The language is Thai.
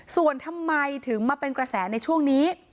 ส่วนทำไมถึงมาเป็นกระแสในช่วงนี้